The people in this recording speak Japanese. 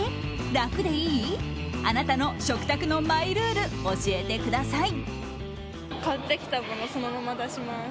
楽でいい？あなたの食卓のマイルール教えてください。